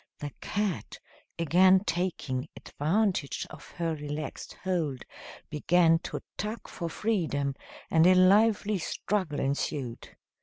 The cat, again taking advantage of her relaxed hold, began to tug for freedom, and a lively struggle ensued.